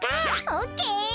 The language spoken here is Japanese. オッケー。